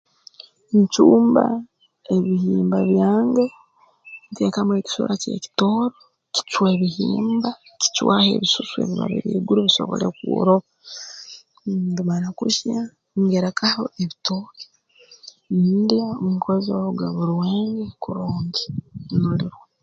Ncumba ebihimba byange nteekamu ekisura ky'ekitooto kicwa ebihimba kicwaho ebisusu ebiba biri haiguru bisobole kworoba mmh bimara kuhya ngerekaho ebitooke ndya nkoza orugabo rwange kurungi nulirwa